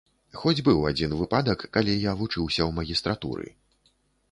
Хоць быў адзін выпадак, калі я вучыўся ў магістратуры.